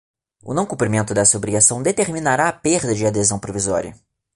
O não cumprimento desta obrigação determinará a perda de adesão provisória.